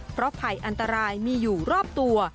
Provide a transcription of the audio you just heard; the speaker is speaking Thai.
เพราะภัยอันตรายมีอยู่รอบตัว